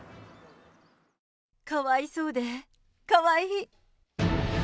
かわいそうで、かわいい。